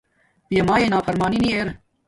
پیامایے نافرمانی نی ارا